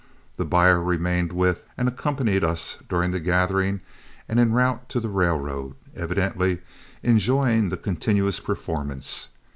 The buyer remained with and accompanied us during the gathering and en route to the railroad, evidently enjoying the continuous performance.